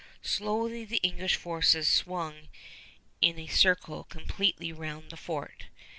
Slowly the English forces swung in a circle completely round the fort.